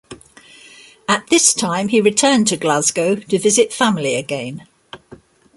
At this time he returned to Glasgow to visit family again.